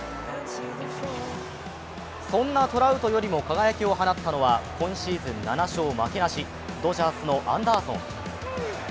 そんなトラウトよりも輝きを放ったのは今シーズン７勝負けなしドジャースのアンダーソン。